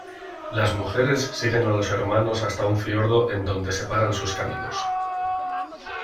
Las mujeres siguen a los hermanos hasta un fiordo en donde separan sus caminos.